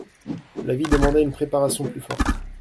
La vie demandait une préparation plus forte.